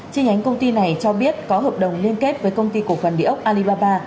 chi nhánh công ty này cho biết có hợp đồng liên kết với công ty cổ phần địa ốc alibaba